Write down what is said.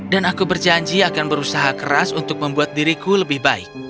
dan aku berjanji akan berusaha keras untuk membuat diriku lebih baik